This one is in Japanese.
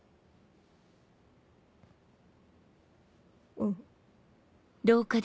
うん。